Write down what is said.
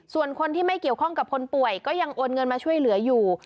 ส่วนคนที่ไม่เกี่ยวข้องกับคนป่วยก็ยังโอนเงินมาช่วยเหลืออยู่